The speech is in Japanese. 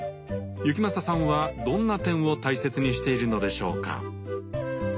行正さんはどんな点を大切にしているのでしょうか？